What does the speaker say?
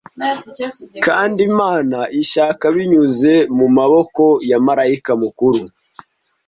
kandi imana ishaka binyuze mumaboko ya malayika mukuru